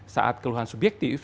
saat keluhan subjektif